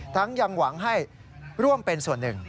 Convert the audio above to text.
ยังหวังให้ร่วมเป็นส่วนหนึ่ง